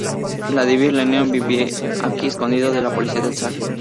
Vladimir Lenin vivió aquí escondido de la policía del Zar.